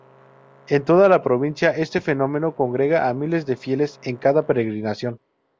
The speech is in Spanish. En toda la provincia, este fenómeno congrega a miles de fieles en cada peregrinación.